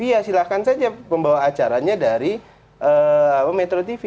ya silahkan saja membawa acaranya dari metro tv